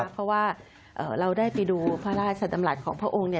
เพราะว่าเราได้ไปดูพระราชดำรัฐของพระองค์